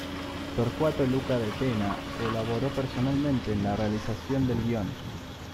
Torcuato Luca de Tena colaboró personalmente en la realización del guion.